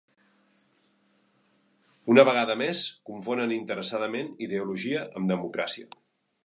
Una vegada més, confonen interessadament ideologia amb democràcia.